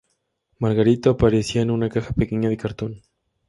Margarito aparecía en una caja pequeña de cartón.